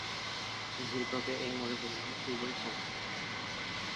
ভূত্বকে এই মৌলের পরিমাণ খুবই কম।